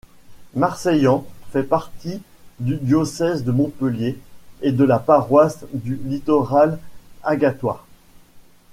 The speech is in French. Marseillan fait partie du diocèse de Montpellier et de la paroisse du littoral Agathois.